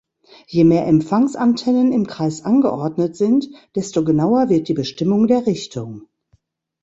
Je mehr Empfangsantennen im Kreis angeordnet sind, desto genauer wird die Bestimmung der Richtung.